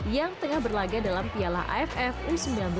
yang tengah berlagak dalam piala aff u sembilan belas